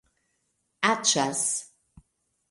Aĉas.